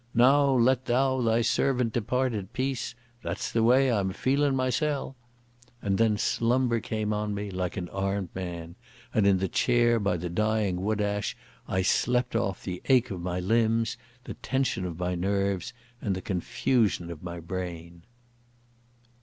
Now let thou thy servant depart in peace. That's the way I'm feelin' mysel'." And then slumber came on me like an armed man, and in the chair by the dying wood ash I slept off the ache of my limbs, the tension of my nerves, and the confusion of my brain.